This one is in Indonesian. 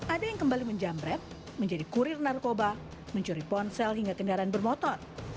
ada yang kembali menjamret menjadi kurir narkoba mencuri ponsel hingga kendaraan bermotor